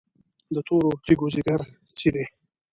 د تورو تیږو ځیګر څیري،